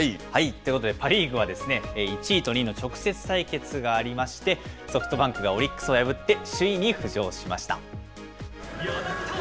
ということで、パ・リーグは１位と２位の直接対決がありまして、ソフトバンクがオリックスを破って首位に浮上しました。